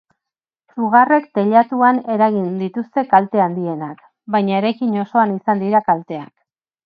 Sugarrek teilatuan eragin dituzte kalte handienak, baina eraikin osoan izan dira kalteak.